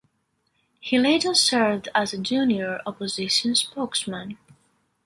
He later served as a junior opposition spokesman.